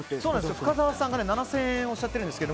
深澤さんが７０００円とおっしゃってるんですが